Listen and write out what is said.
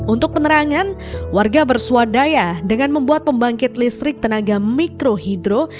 untuk penerangan warga bersuadaya dengan membuat pembangkit listrik tenaga mikrohidro